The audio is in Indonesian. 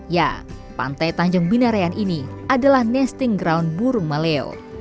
ya pantai tanjung binarayan ini adalah nesting ground burung maleo